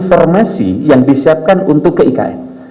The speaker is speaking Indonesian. formasi yang disiapkan untuk ke ikn